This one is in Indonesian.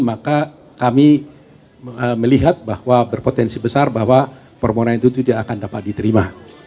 maka kami melihat bahwa berpotensi besar bahwa permohonan itu tidak akan dapat diterima